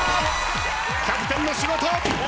キャプテンの仕事！